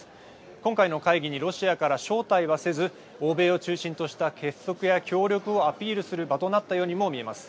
今回の会議にロシアから招待はせず欧米を中心とした結束や協力をアピールする場となったようにも見えます。